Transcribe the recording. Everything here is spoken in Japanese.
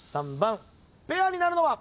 ペアになるのは？